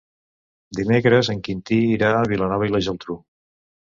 Dimecres en Quintí irà a Vilanova i la Geltrú.